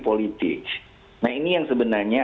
politis nah ini yang sebenarnya